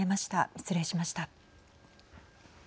失礼しました。